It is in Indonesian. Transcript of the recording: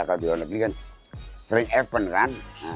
kalau di luar negeri kan sering event kan